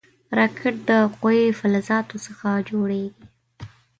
راکټ د قوي فلزاتو څخه جوړېږي